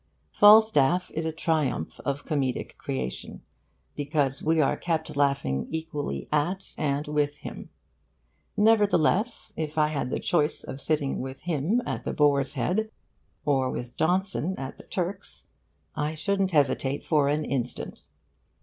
Falstaff is a triumph of comedic creation because we are kept laughing equally at and with him. Nevertheless, if I had the choice of sitting with him at the Boar's Head or with Johnson at the Turk's, I shouldn't hesitate for an instant.